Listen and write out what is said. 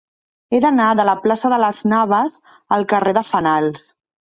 He d'anar de la plaça de Las Navas al carrer de Fenals.